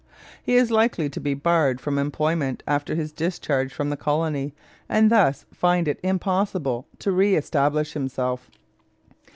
He is likely to be barred from employment after his discharge from the colony, and thus find it impossible to reëstablish himself.